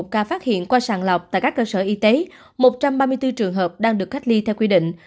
bốn trăm một mươi một ca phát hiện qua sàn lọc tại các cơ sở y tế một trăm ba mươi bốn trường hợp đang được cách ly theo quy định